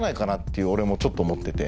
俺ちょっと思ってて。